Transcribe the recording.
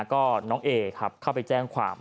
ก็น้องเอครับเข้าไปแจ้งความ